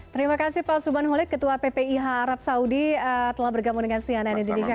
terima kasih pak subhan hulid ketua ppi arab saudi telah bergabung dengan sianan indonesia